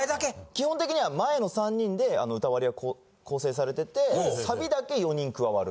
基本的には前の３人で歌割りは構成されててサビだけ４人加わる。